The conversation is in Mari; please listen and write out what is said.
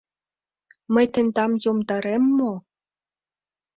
Мый тендам йомдарем мо?